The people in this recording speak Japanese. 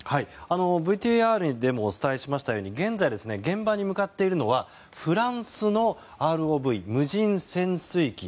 ＶＴＲでもお伝えしましたように現在、現場に向かっているのはフランスのＲＯＶ・無人潜水機。